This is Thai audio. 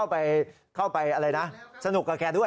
คนฟังเข้าไปเอาเลยนะสนุกกับแกด้วย